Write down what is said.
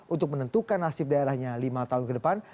untuk menentukan nasib daerahnya lima tahun ke depan